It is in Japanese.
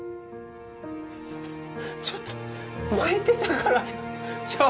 ちょっと泣いてたからちょっ